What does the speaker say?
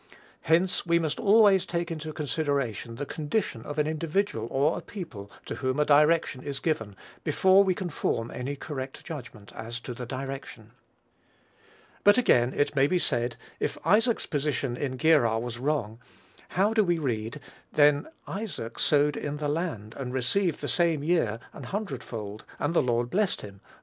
Hence, we must always take into consideration the condition of an individual or a people to whom a direction is given before we can form any correct judgment as to the direction. But again it may be said, if Isaac's position in Gerar was wrong, how do we read, "Then Isaac sowed in that land, and received the same year an hundred fold: and the Lord blessed him."